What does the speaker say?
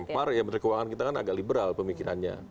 pak ya menteri keuangan kita kan agak liberal pemikirannya